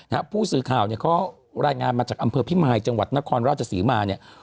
ผู้สื่อข่าวเนี่ยเขารายงานมาจากอำเภอพิมายจังหวัดนครราชศรีมาเนี่ย